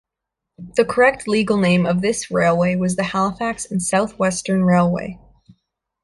The correct legal name of this railway was the Halifax and South Western Railway.